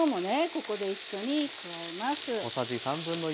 ここで一緒に加えます。